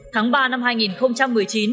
tháng ba năm hai nghìn một mươi chín